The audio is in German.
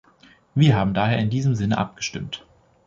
Wir haben daher in diesem Sinne abgestimmt.